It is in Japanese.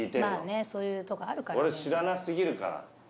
俺知らな過ぎるから。